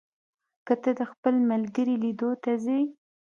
که ته د خپل ملګري لیدو ته ځې،